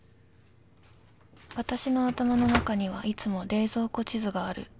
［私の頭の中にはいつも冷蔵庫地図がある］